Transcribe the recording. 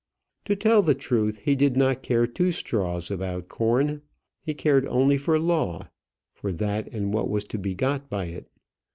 To tell the truth, he did not care two straws about corn. He cared only for law for that and what was to be got by it.